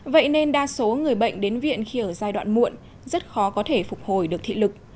vậy nên đa số người bệnh đến viện khi ở giai đoạn muộn rất khó có thể phục hồi được thị lực